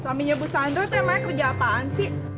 suaminya bu sandra temannya kerja apaan sih